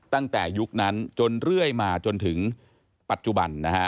ตั้งแต่ยุคนั้นจนเรื่อยมาจนถึงปัจจุบันนะฮะ